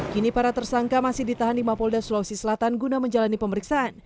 kini para tersangka masih ditahan di mapolda sulawesi selatan guna menjalani pemeriksaan